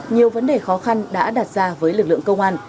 nhiều vấn đề khó khăn đã đặt ra với lực lượng công an